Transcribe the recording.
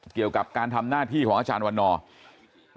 เกี่ยวกับการทำหน้าที่ของอาจารย์วันนอร์